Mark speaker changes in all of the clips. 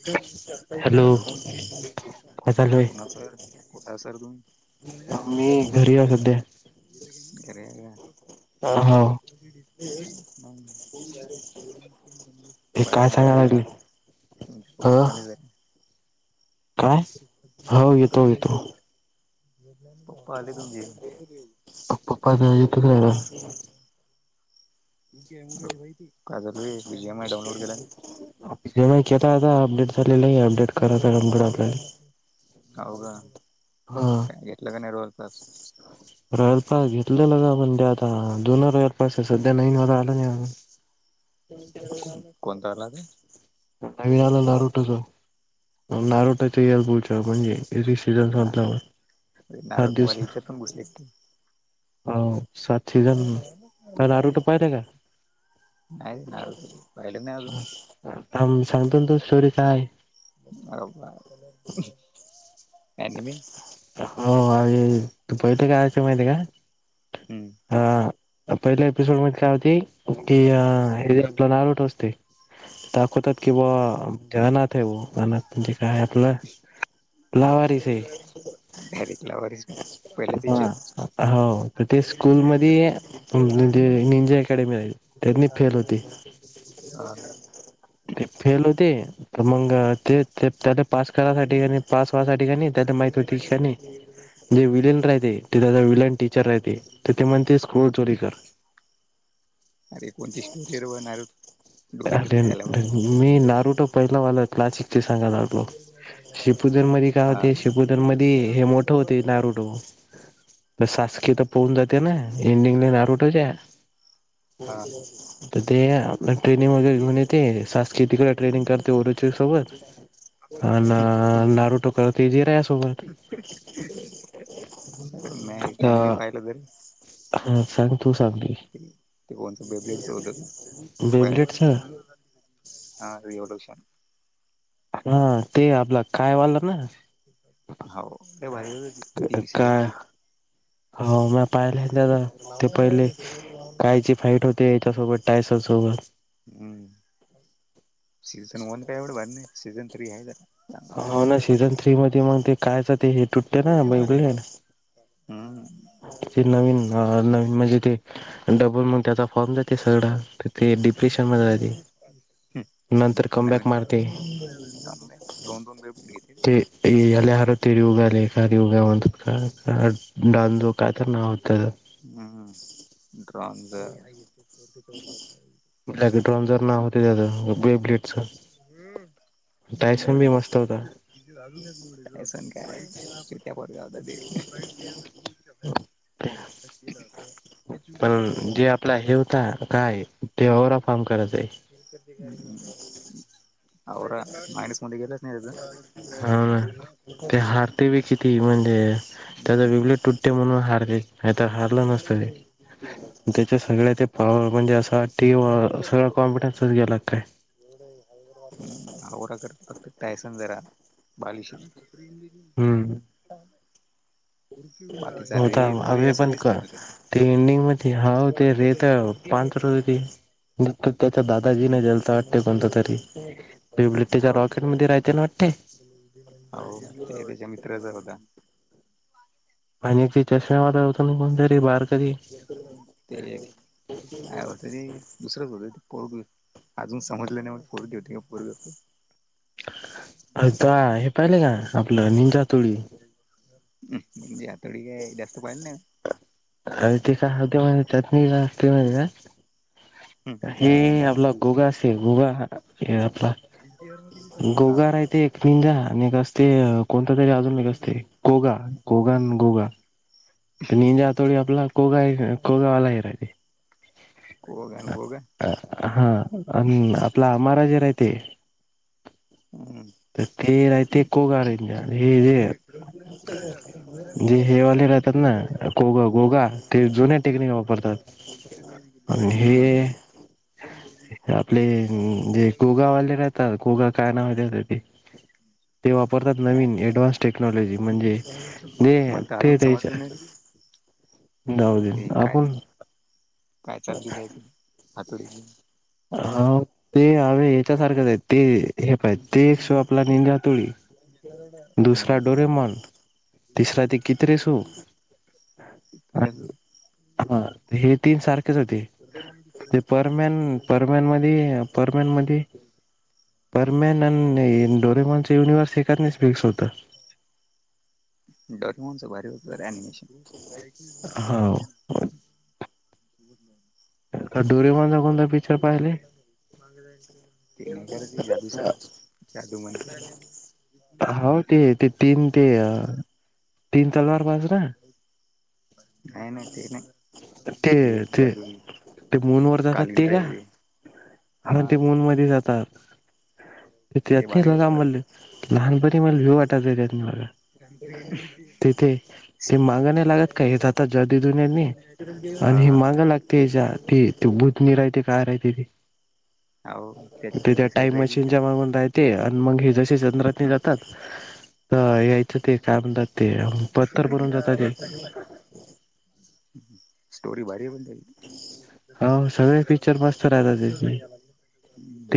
Speaker 1: एका गोष्टी
Speaker 2: हॅलो
Speaker 1: आता
Speaker 2: काय चालू
Speaker 1: हा
Speaker 2: आहे
Speaker 1: कुणा सर कुठ सर तुम
Speaker 2: मी घरी सध्या
Speaker 1: ख
Speaker 2: ह हा
Speaker 1: डिस्प्ले होई म ऐकून डायरेक्टमज
Speaker 2: हे काय
Speaker 1: बाहेर मधला
Speaker 2: सांगायला
Speaker 1: जरा
Speaker 2: लागली
Speaker 1: म्हची
Speaker 2: ह
Speaker 1: पपली जर [inaudible]
Speaker 2: काय हो येतो येतो
Speaker 1: ले तुम
Speaker 2: पप्पा येतो जेव्हा
Speaker 1: माग का चालूय विजयामय डाऊनलोड केला
Speaker 2: स केता आता अपडेट झालेला आहे अपडेट करायचामकडला
Speaker 1: हो
Speaker 2: हा
Speaker 1: का घेतलं का नडवाळ तास
Speaker 2: रयलप घेतलेला का आपण ते आता जुनं रयलपस सध्या ननव आला नाही [inaudible]
Speaker 1: कोणता लागला
Speaker 2: कावी आला ना रूटचो नारोटाच्या येल पुढच्या म्हणजेि सीजन
Speaker 1: तो
Speaker 2: संधला सात दिवस
Speaker 1: ण बसली एक
Speaker 2: सात सीझन
Speaker 1: ना प ना म
Speaker 2: नारुटो पाहिलं का
Speaker 1: ह नाही ना पाहिल नाही
Speaker 2: सांगतो तो स्टोरी काय
Speaker 1: ब बा काण मी
Speaker 2: हो अ तू पैठ कायच माहिती आहे का
Speaker 1: हम्म
Speaker 2: ह पहिल्या एपिसोड मध्ये काय होती की हे जे आपलं नाल उठ असते दाखवतात कि बा ज अनाथ आहे अनाथ म्हणजे काय आपलं लावारीस आहे
Speaker 1: अर डायरेक्ट लावर
Speaker 2: हा हो तेस स्कूलमध्येध्ये निंजे अकॅडमी रा त्यानी फेल होते
Speaker 1: ह
Speaker 2: ते फेल हो दे तर मग ते त्या पास करायसाठी नाही पास व्हासाठी का नाही त्याला माहिती होतीिकणी जे विलन राहते ते त्या विलन टीचर राहते तर ते म्हणते स्कूल चोरी कर
Speaker 1: अरे कोणची स्टोरीर बणार
Speaker 2: अर मी नारूट पहिला वालात नाचिकचे सांगाारू श्रिपूदर म काय
Speaker 1: हा
Speaker 2: होते शिपूदर
Speaker 1: हा
Speaker 2: मध्ये हे मोठं होते नारूडो सासकी तर पोन जाते ना एंडिंगने नारूटच्या त ते आपला
Speaker 1: ॅच
Speaker 2: ट्रेनिंग करते ओरोची सोबत.
Speaker 1: आपलाॅड
Speaker 2: अन नारुटो करते जिराया
Speaker 1: मम
Speaker 2: सोबत
Speaker 1: पा
Speaker 2: तर
Speaker 1: चला
Speaker 2: हा सांग तू सांगली
Speaker 1: का बेब ह
Speaker 2: बेबलेटच
Speaker 1: एवढ विष
Speaker 2: हा ते आपलं काय वाल्लं ना
Speaker 1: हो ते भारी हो हो तिन सीझन
Speaker 2: काय हो म पाहिले त्या ते पहिले कायचे फाईट होते याच्यासोबत टायसर सोबत
Speaker 1: हम्म, सीझन वन काय एवढं भारी नाहीत सीझन थ्री यायल्यात.
Speaker 2: हो ना सीझन थ्री मध्ये मग ते कायच ते हे तुटते ना मेंदू तेन.
Speaker 1: हम्.
Speaker 2: ते नवीन नवीन म्हणजे ते डबल म्हण त्याचा फॉर्म जाते सगळं.
Speaker 1: पंचवीस पंच हम्म.
Speaker 2: नंतर कमबॅक
Speaker 1: नवीन
Speaker 2: मारते
Speaker 1: [inaudible] दोन-दोन वेप घेतेति.
Speaker 2: ए अल्या अरे तो ह्यो [unintelligible] काय तर नाव होतं?
Speaker 1: हम्म [inaudible] ड्रॉनझ [unintelligible]
Speaker 2: काय तर ड्रॉनझ नाव होत त्याच [unintelligible]
Speaker 1: हम्म बर.
Speaker 2: बी मस्त
Speaker 1: [inaudible]
Speaker 2: होता
Speaker 1: [inaudible] अजून काय [unintelligible] खोलीच्या बाहेर आता हेच व्हीडिओ [unintelligible]
Speaker 2: आता काय तेवरा काम करायचं आहे.
Speaker 1: अवघड आहे मायनस मध्ये गेलसं.
Speaker 2: हा ते हारते बी किती म्हणजे त्याचा वेगळे
Speaker 1: हम्म
Speaker 2: तुट ते म्हणून हारले नाही तर हारलं नसतं ते. त्याच्या सगळ्या ते पॉवर म्हणजे असं वाट ती [unintelligible] सगळं कॉम्पिटेच गेला काय?
Speaker 1: हावरा करता फक्त टायसन जरा बालिशच हाय.
Speaker 2: हम्म
Speaker 1: हम्. [inaudible]
Speaker 2: होता आ्म्ही पण कर
Speaker 1: मला
Speaker 2: ते एंडिंग मध्ये हाव ते रेत ते अंतर वीधी त्याच्या दादाजी नाही जलता वाटते कोणत तरी ते बुलेट्टीच्या रॉकेटमध्ये राहायते ना वाटते.
Speaker 1: हो ते त्याच्या मित्राचा होता.
Speaker 2: पाण्याची चष्मेवा होतं ना कोणतरी वारकरी
Speaker 1: ते कायतरी दुसरंच होत पोरग. अजून समजले नाही वाटतं पोरग ते पोरग कोण?
Speaker 2: अता हे पाहिले का? आपलं निंजा हातोडी.
Speaker 1: मी निन्जा हातोडी काय जास्त पाहिल नाही.
Speaker 2: काय ते [unintelligible] हेच्यातनी हे असते माहित हाय? हे आपला गोगा असते गोगा हे आपला. गोगा राह ते एक निजा आणि एक ते कोणत तरी अजून एक असते कोगा. कोगा आणि गोगा. निंजा हातोडी आपला कोगा हाय का? कोगा आलाय [unintelligible]
Speaker 1: गोगन गोगन
Speaker 2: अ हा आणि आपला माराजिरा हाय ते.
Speaker 1: हमं.
Speaker 2: तर ते राहते कोगा निन्जा. हे जे [inaudible] म्हणजे हेवाले
Speaker 1: ब्राईट
Speaker 2: रहतेत कोगा गोगा ते जुन टेक्निक वापरतात. [inaudible] आणि हे आपले जे गोगावाले काय तर गोगा काय नाव हाय त्याचं ते. ते वापरतात
Speaker 1: काय
Speaker 2: नवीन ऍडव्हान्स टेक्नॉलॉजी म्हणजे जे
Speaker 1: मला तर
Speaker 2: ते
Speaker 1: अजून
Speaker 2: त्याच
Speaker 1: समजलं [inaudible] ते काय?
Speaker 2: आपण
Speaker 1: [inaudible] काय चाललय त्याच ते. हातोडी घेऊन
Speaker 2: हा ते हवे याच्यासारखंच आहेत ते हे पाहिजे ते एक सो आपला निंजा हातोडी, दुसरा डोरेमॉन. तिसरा ते कितरे सो
Speaker 1: हे [inaudible] [unintelligible]
Speaker 2: हा हे तीन सारखेच होती ते परमॅन परमॅन मध्ये परमॅन मध्ये
Speaker 1: [unintelligible]
Speaker 2: परमॅन आणि डोरेमॉनचा युनिव्हर्स एकाच फिक्स होत.
Speaker 1: हो. डोरेमॉनचं भारी होत रे ॲनिमेशन [inaudible]
Speaker 2: हो
Speaker 1: [unintelligible]
Speaker 2: डोरेमोन चा कोणता पिक्चर पाहि
Speaker 1: माग ते नाही कर ते जादूचा जादू म्हणत
Speaker 2: हो ते
Speaker 1: [unintelligible]
Speaker 2: ते तीन तेे तीन तलवार बाजुला
Speaker 1: काही नाही ते नाही.
Speaker 2: ते ते ते मून वर जातात ते का
Speaker 1: [unintelligible]
Speaker 2: हा ते मूनमध्ये जातात. त
Speaker 1: ते
Speaker 2: नाही
Speaker 1: भारी होत
Speaker 2: बाम
Speaker 1: जरा.
Speaker 2: लहानपणी मला व्यू वाटायचत नाही बघा. तिथे ते माग नाही लागत का हे जात जर्दी दुननी मी
Speaker 1: हा
Speaker 2: आणि हे
Speaker 1: हा.
Speaker 2: मागं लागते याच्या ती ते बुधनी राहते काय राहते ते
Speaker 1: हाव त्यात
Speaker 2: ते त्या
Speaker 1: तिची साईड
Speaker 2: टाईम
Speaker 1: राहते ती.
Speaker 2: मशीनच्या मागून राहते आणि मग हे जसे चंद्रात नाही जात यायचं ते काय म्हणतात ते पत्तर बनून जातात ते
Speaker 1: स्टोरी भारी पण ते
Speaker 2: हो सगळे पिक्चर मस्त राहतात त्याची
Speaker 1: [unintelligible]
Speaker 2: [unintelligible]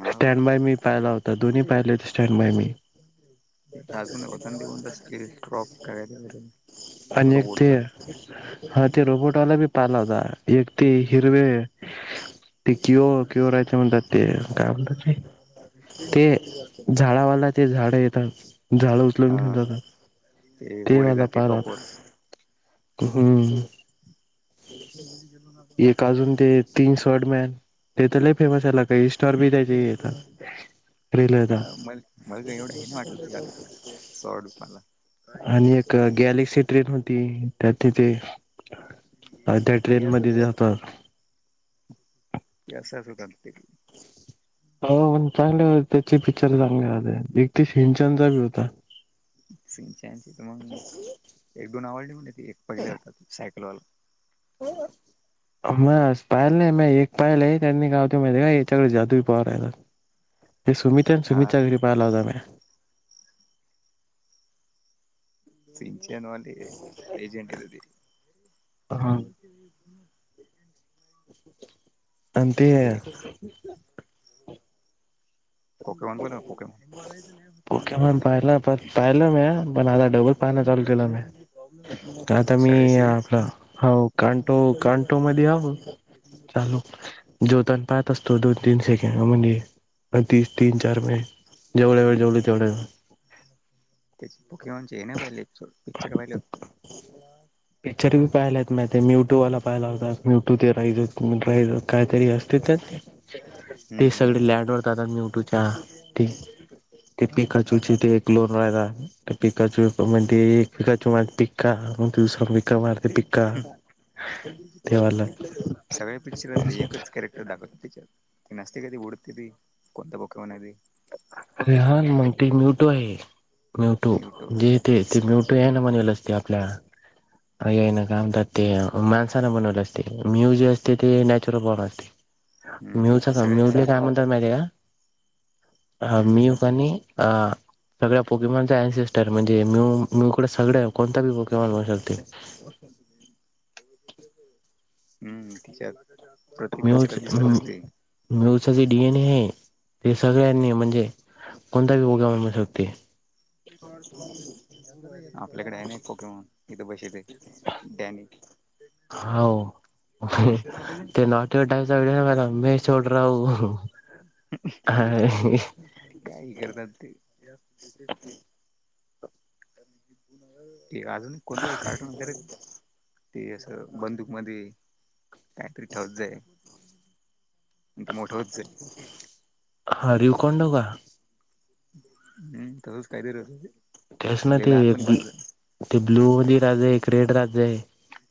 Speaker 1: हाव.
Speaker 2: स्टँड बाय मी पायला होता दोन्ही पाहिले होते स्टँड बाय मी.
Speaker 1: होत असतील क्रॉप काय.
Speaker 2: आणि एक ते हा ते रोबोटवाला बी पाहिला होता एक ते हिरवे
Speaker 1: [unintelligible] [unintelligible]
Speaker 2: ते क्यओ क्यओ राहायचे म्हणतात ते. ते झाडावाला ते झाड येता. झाड उचलून घेऊन
Speaker 1: हा
Speaker 2: जातात ते
Speaker 1: वरी
Speaker 2: वाला
Speaker 1: जाते
Speaker 2: पायला होता.
Speaker 1: टॉपवर.
Speaker 2: हम्म.
Speaker 1: [unintelligible]
Speaker 2: काजून ते तीन स्र्ड मॅन ते तर ल फेमस आहेला का इ रील
Speaker 1: हा
Speaker 2: येतात
Speaker 1: मल मलगा एवढं आहे ना वाटल. सो रुपयाला.
Speaker 2: आणि एक गॅलेक्सी ट्रेन होती त्या तिथे त्या
Speaker 1: ते
Speaker 2: ट्रेन मध्ये
Speaker 1: असंच.
Speaker 2: जातात
Speaker 1: [unintelligible]
Speaker 2: हो चांगले हो त्याचे पिक्चर चांगले राहते एकतीश हिंचंदचा बी होता.
Speaker 1: सिंचन तर मग एक दोन आवडली म्हण त एक पहिल्या होतात तू सायकलवाला
Speaker 2: हो. म पायल नाही म एक पायल आहे त्यांनी गावते माहि का याच्याकडे जादू पव राहिला. ते सुमित आणि
Speaker 1: हा
Speaker 2: सुमित च्या
Speaker 1: हा
Speaker 2: घरी पाहाला होता मी. मी
Speaker 1: [unintelligible] ते. पोकेमॉन कोण आहे पोकोमॅन.
Speaker 2: पोकेमॉन पाहिला पण पाहिलं मी पण आता डबल पाहणं चालू केलं मी आता मी आपला हो कांटो कांटो मध्ये
Speaker 1: [unintelligible] [unintelligible]
Speaker 2: ज्योताण पाहत असतो दोन तीन सेकंड म्हणे पण तीस तीन चार मे जेवढ्या वेळ जेवल जेवढ वेळ.
Speaker 1: त्याची पॉकिमॉन म्हणज ये ना पाहिले पिक्चर पाहिले वाटत.
Speaker 2: पिक्चर बी पाहियला आहेत माहि ते म्यूट्यूवाला पाहिला होतात म्यूटू ते राईज रा काहीतरी असते तर ते सगळे लँडवर जातात म्यूटूच्या ते. ते
Speaker 1: हा
Speaker 2: पिकाचूरचे ते एक लोन राहता ते पिकाचूर म्हणे पिकाचू पिका दिवस विक्रारते पिका
Speaker 1: सगळे पिक्चरते एकच कॅरेक्टर दाबि ती नसते क ती ओडतेी कोत बखम म्हणाते.
Speaker 2: अरेहान मग ते म्यूटो आहे म्युटो
Speaker 1: न्यूटो
Speaker 2: जेेत ते
Speaker 1: हम्म
Speaker 2: म्यूट. ट्रॅन म्हनल असते आपल्या ये ना कामतात ते माणसाना बनवल असते म्यूज असते ते नॅचुरल बॉर्ण असते. मिचू
Speaker 1: ते
Speaker 2: का मी
Speaker 1: सगळ्या
Speaker 2: काय म्हणत माहिती का हा
Speaker 1: हम्म हम्म
Speaker 2: मिक आणि हं सगळ्या पोकेमानचा अनसिस्टर म्हणजे म मीकड सगळ कोणता बी पोकिमान म्हणू शकते
Speaker 1: हम्म तिच्या त
Speaker 2: म्युझिक ह म्यूच जे डीएन ए आहे ते सगळ्यांनी म्हणजे कोणता बी बोगा ठेवत ते.
Speaker 1: आपल्याकडे ने एक पोके म्हणून इथे बसले डॅनी.
Speaker 2: हाव हे
Speaker 1: हम्म.
Speaker 2: ते नाटक बर मै छोड राहा हु.
Speaker 1: [unintelligible] काई करतात ते जास्तीत. अजून कोणत कार्टून वगैरे. ते असं बंदुकमध्येध्ये काहीतरी ठेवत जाय. मग ते मोठं होत जा.
Speaker 2: ह रेव कोणड का?
Speaker 1: नाही तसंच काहीतरी होत
Speaker 2: तेच ना ते
Speaker 1: लहानपणी पाहाच जाय.
Speaker 2: ते ब्लू आणि राज आहे एक रेड राज आहे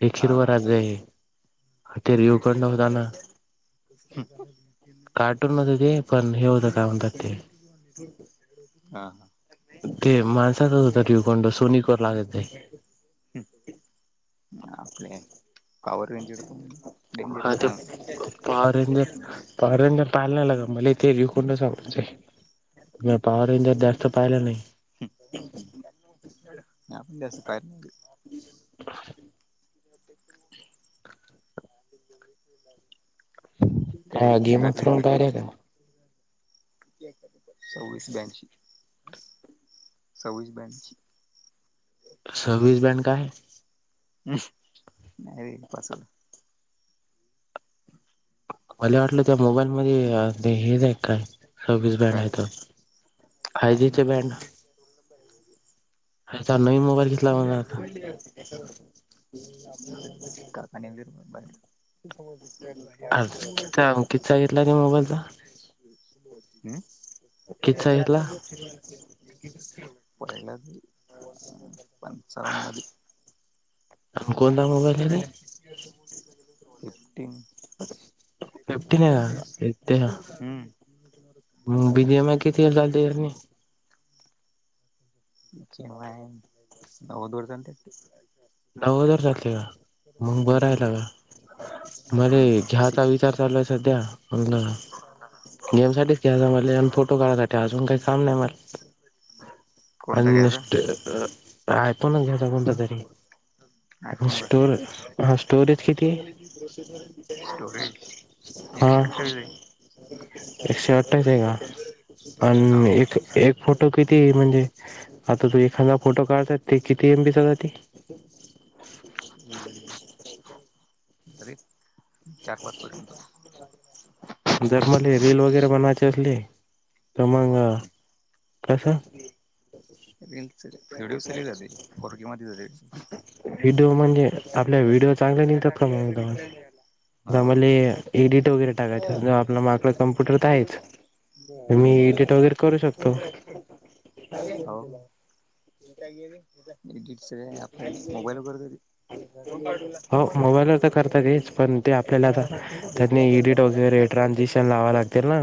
Speaker 2: एक हिरवा
Speaker 1: हा
Speaker 2: राज आहे. ते रिूकड नव होता ना.
Speaker 1: ह
Speaker 2: कार्टून होत ते पण हे होतं काय म्हणतात ते
Speaker 1: [unintelligible] हा हा
Speaker 2: ते माणसाातच होत ठिवकोंड सोनिकवर लागत नाही.
Speaker 1: ह आपपल्यार पावर रेंजर पन
Speaker 2: हा ते पोरांना पोरांना पाहील नाहीला का मला ते र कुंड सापूनच मिया पाववरीनले जास्त पाहिला नाही.
Speaker 1: आपल्या च पायात [inaudible] कारीन [unintelligible]
Speaker 2: काय राहील?
Speaker 1: सववीस ब्याशी सववीस ब्याशी.
Speaker 2: सर्विस बॅन काय?
Speaker 1: नाही रे पासवर्ड. ह [inaudible]
Speaker 2: मला वाटलं त्या मोबाईल मध्ये ते हेच आहे काय. सववीस बँड
Speaker 1: काय
Speaker 2: आहे तो आय जीचे बँड
Speaker 1: बहि
Speaker 2: आता नवीन मोबाईल केतला म्हणार आता
Speaker 1: आणिनिर्
Speaker 2: किचा किचा किस्सा घेतला त्या मोबाईलचा
Speaker 1: सुरू होच्यात
Speaker 2: किचा घेतला
Speaker 1: जास्त बोटवा लाग पहिला पंचाव मध्ये
Speaker 2: कोण नामबाल आहे.
Speaker 1: टिंग
Speaker 2: फिफ्टीन आहे का ते
Speaker 1: टिंग.
Speaker 2: मग बीजीएमआय किती चालते यांनी
Speaker 1: [inaudible] वा न दोडतंत काय का?
Speaker 2: नऊ हजार जातले का मग बरं आहेला ग मले
Speaker 1: हम्म.
Speaker 2: घ्यायाचा
Speaker 1: सिक्स
Speaker 2: विचार चालूय सध्या. म्हणल गेम साठी- याला महटल याल फोटो काढयसाठी अजून काही च नाही. चांगलं मल
Speaker 1: कोणता घ्यायचा
Speaker 2: अनष्ट आय पोण घ्याता कोणत तरी. आणि
Speaker 1: आयफोन ज
Speaker 2: स्टोर हा स्टोरेज किती
Speaker 1: प्रोसेसर ति आहे स्टोरेज.
Speaker 2: हा
Speaker 1: लक्षात ठेव हे. [unintelligible] मला
Speaker 2: एकशे अठ्ठावीस आहे
Speaker 1: वाटत
Speaker 2: का
Speaker 1: कॅमेरा सुचा [unintelligible]
Speaker 2: आणि
Speaker 1: हाव
Speaker 2: एक एक फोटो किती म्हणजे? आता तू एखादा फोटो काढतात ते किती एम बी चा जाते?
Speaker 1: हम्. अरे. चार पाच पर्यंत.
Speaker 2: जर का मले रील वगैरे बनवायची असली तर मग? कसं
Speaker 1: तेच ते रिलंच [unintelligible] फोर के मध्ये जाते.
Speaker 2: [unintelligible] म्हणजे आपल्या व्हिडिओ चांगले
Speaker 1: म्या
Speaker 2: निघतात का
Speaker 1: टाकलाय
Speaker 2: मग
Speaker 1: तर
Speaker 2: एकदम
Speaker 1: रिप्लाय नाही आला.
Speaker 2: आता
Speaker 1: हाव.
Speaker 2: मले
Speaker 1: मी टाकलय-
Speaker 2: एडिट वगैरे
Speaker 1: [inaudible] [inaudible]
Speaker 2: टाकायचं आपला माकडं कम्प्युटर तर आहेच मी एडिट वगैरे करू शकतो
Speaker 1: आपल्या मोबाईल [unintelligible]
Speaker 2: हो मोबाईलवर तर करता तेच. पण ते आपल्याला आता त्यातन एडिट वगैरे- [unintelligible] लावाय लागतील ना?